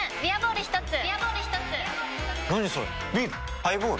ハイボール？